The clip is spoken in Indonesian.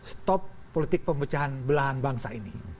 stop politik pemecahan belahan bangsa ini